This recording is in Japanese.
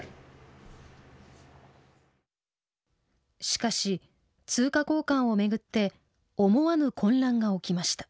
しかし通貨交換を巡って思わぬ混乱が起きました。